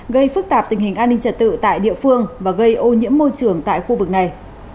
gây phức tạp tình hình an ninh trật tự tại địa phương và gây ô nhiễm môi trường tại khu vực này